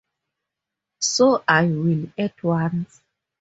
So I will, at once.